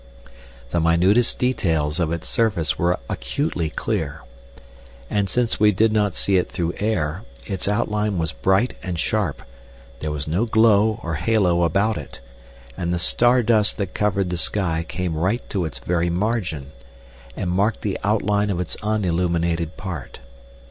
The minutest details of its surface were acutely clear. And since we did not see it through air, its outline was bright and sharp, there was no glow or halo about it, and the star dust that covered the sky came right to its very margin, and marked the outline of its unilluminated part.